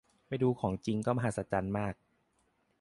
ไปดูของจริงก็มหัศจรรย์มาก